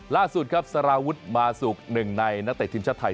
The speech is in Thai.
ล่าสุดครับสารวุฒิมาสุกหนึ่งในนักเตะทีมชาติไทย